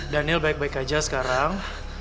daniel baik baik aja sekarang